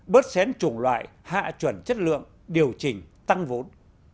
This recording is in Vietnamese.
bớt xén chủng loại hạ chuẩn chất lượng điều chỉnh tăng vốn